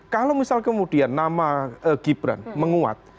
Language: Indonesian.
kalau misal kemudian nama gibran menguat